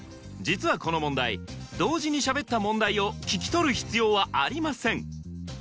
実はこの問題同時にしゃべった問題を聞き取る必要はありません